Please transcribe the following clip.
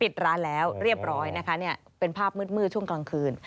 ปิดร้านแล้วเรียบร้อยนะคะเป็นภาพมืดช่วงกลางคืน